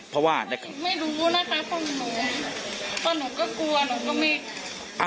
ไม่รู้นะคะตอนหนูก็กลัวหนูก็ไม่